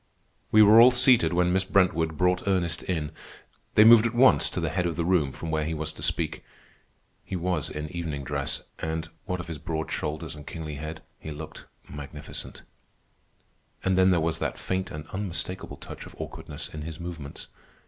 We were all seated when Miss Brentwood brought Ernest in. They moved at once to the head of the room, from where he was to speak. He was in evening dress, and, what of his broad shoulders and kingly head, he looked magnificent. And then there was that faint and unmistakable touch of awkwardness in his movements.